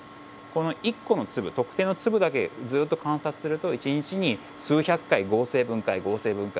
この１個の粒特定の粒だけずっと観察すると一日に数百回合成分解合成分解を繰り返してます。